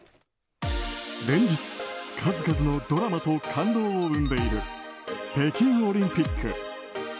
連日、数々のドラマと感動を生んでいる北京オリンピック。